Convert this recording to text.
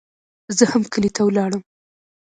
زه هم کلي ته ولاړم.